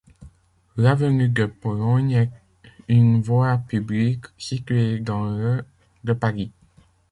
L’avenue de Pologne est une voie publique située dans le de Paris.